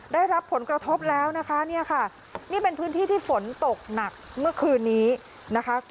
ได้รับผลกระทบแล้วนะคะเนี่ยค่ะนี่เป็นพื้นที่ที่ฝนตกหนักเมื่อคืนนี้นะคะ